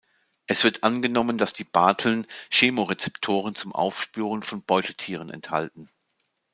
Es wird angenommen, dass die Barteln Chemorezeptoren zum Aufspüren von Beutetieren enthalten.